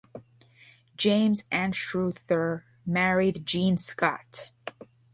James Anstruther married Jean Scott.